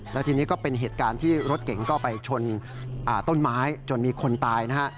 แล้วทีนี้ก็เป็นเหตุการณ์ที่รถเก่งก็ไปชนต้นไม้จนมีคนตายนะฮะ